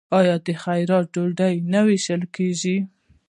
آیا د خیرات ډوډۍ نه ویشل کیږي؟